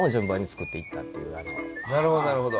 なるほどなるほど。